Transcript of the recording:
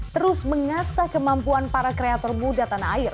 terus mengasah kemampuan para kreator muda tanah air